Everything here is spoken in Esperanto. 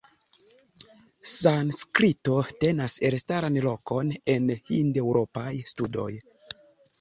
Sanskrito tenas elstaran lokon en Hindeŭropaj studoj.